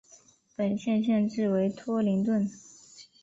本县县治为托灵顿。